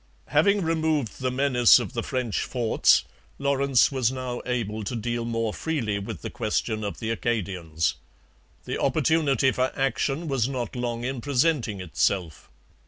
Having removed the menace of the French forts, Lawrence was now able to deal more freely with the question of the Acadians. The opportunity for action was not long in presenting itself.